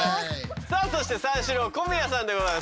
さあそして三四郎小宮さんでございます。